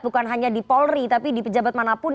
bukan hanya di polri tapi di pejabat manapun